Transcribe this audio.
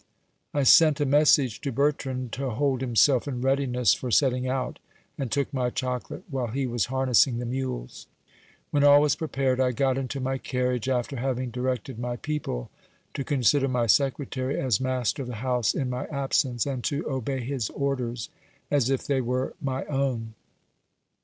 I sent a message to Bertrand, to hold himself in readiness for setting out, and took my chocolate while he was harnessing the mules. When all was prepared, I got into my carriage, after having directed my people to consider my secretary as master of the house in my absence, and to obey his orders as if they were my own.